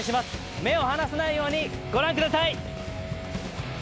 目を離さないようにご覧ください。